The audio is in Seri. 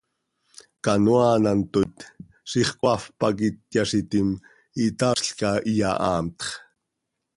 Canoaa an hant tooit, ziix coaafp pac ityaazitim, itaazlca, iyahaanpx.